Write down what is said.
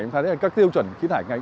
chúng ta thấy là các tiêu chuẩn khí thải